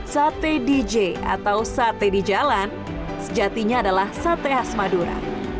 sate dj atau sate di jalan sejatinya adalah sate khas madura